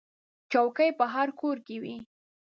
چوکۍ په هر کور کې وي.